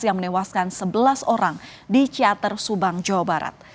yang menewaskan sebelas orang di ciater subang jawa barat